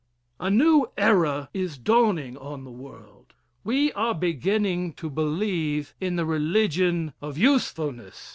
A new era is dawning on the world. We are beginning to believe in the religion of usefulness.